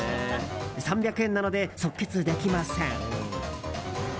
３００円なので即決できません。